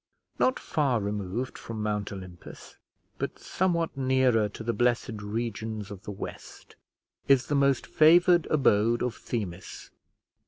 Not far removed from Mount Olympus, but somewhat nearer to the blessed regions of the West, is the most favoured abode of Themis.